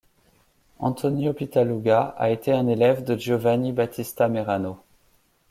Antonio Pittaluga a été un élève de Giovanni Battista Merano.